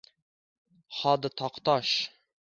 Hodi Toqtosh